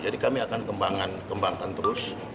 jadi kami akan kembangkan terus